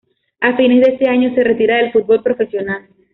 A fines de ese año se retira del fútbol profesional.